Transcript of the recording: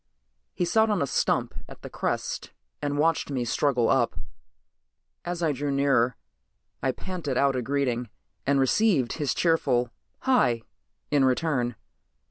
He sat on a stump at the crest and watched me struggle up. As I drew nearer I panted out a greeting and received his cheerful "Hi" in return.